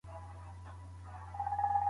هغوی په ځغاسته کولو بوخت دي.